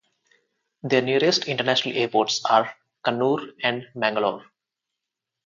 The nearest international airports are Kannur and Mangalore.